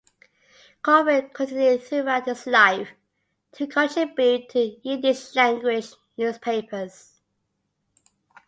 Kobrin continued, throughout his life, to contribute to Yiddish-language newspapers.